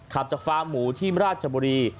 ขับจากฟาร์หมูที่ราชบุรี